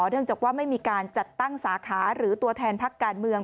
เนื่องจากว่าไม่มีการจัดตั้งสาขาหรือตัวแทนพักการเมือง